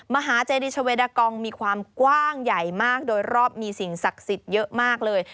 มหาเจดีชาเวดากองมีความกว้างใหญ่มากโดยรอบมีสิ่งศักดิ์สิทธิ์เยอะมากเลย